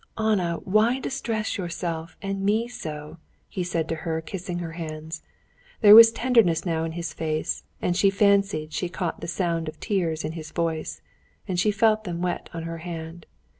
"Anna, why distress yourself and me so?" he said to her, kissing her hands. There was tenderness now in his face, and she fancied she caught the sound of tears in his voice, and she felt them wet on her hand.